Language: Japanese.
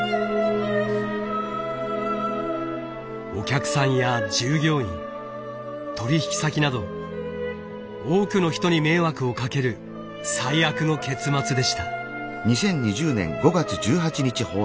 お客さんや従業員取引先など多くの人に迷惑をかける最悪の結末でした。